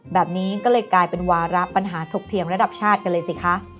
แบบนี้ก็เลยกลายเป็นวาระปัญหาถกเถียงระดับชาติกันเลยสิคะ